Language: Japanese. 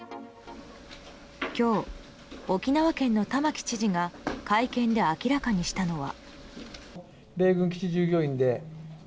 今日沖縄県の玉城知事が会見で明らかにしたのは。